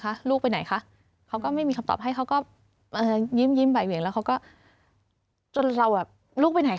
เอากระเป๋าไปไหนลูกไปไหน